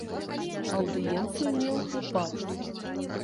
Аўдыенцыю меў у папы.